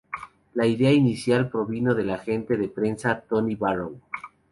La idea inicial provino del agente de prensa Tony Barrow.